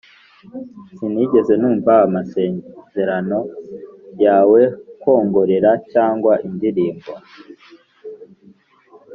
sinigeze numva amasezerano yawe, kwongorera, cyangwa indirimbo,